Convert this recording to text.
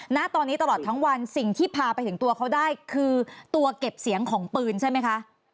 ณตอนนี้ตลอดทั้งวันสิ่งที่พาไปถึงตัวเขาได้คือตัวเก็บเสียงของปืนใช่ไหมคะ